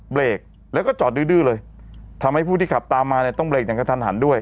เบรกแล้วก็จอดดื้อเลยทำให้ผู้ที่ขับตามมาเนี่ยต้องเรกอย่างกระทันหันด้วย